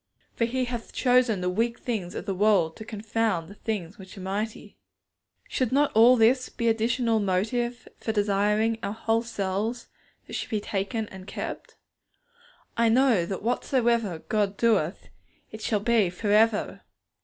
For He hath chosen the weak things of the world to confound the things which are mighty. Should not all this be additional motive for desiring that our whole selves should be taken and kept? I know that whatsoever God doeth, it shall be for ever.